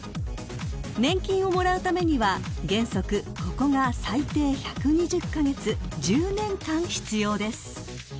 ［年金をもらうためには原則ここが最低１２０カ月１０年間必要です］